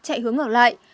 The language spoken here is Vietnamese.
chạy hướng ngược lại